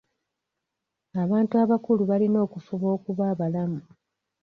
Abantu abakulu balina okufuba okuba abalamu.